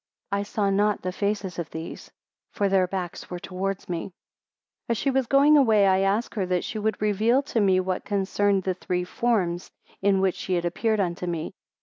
I saw not the faces of these, for their backs were towards me. 106 As she was going away, I asked her, that she would reveal to me what concerned the three forms, in which she had appeared unto me.